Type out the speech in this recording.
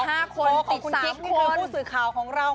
ห้าคนติดสามคนโคลของคุณกิ๊กที่เป็นผู้สื่อข่าวของเรา